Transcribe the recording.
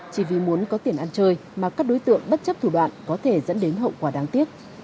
chỉ vì muốn có tiền ăn chơi mà các đối tượng bất chấp thủ đoạn có thể dẫn đến hậu quả đáng tiếc